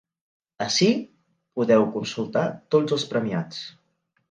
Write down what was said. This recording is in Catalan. Ací podeu consultar tots els premiats.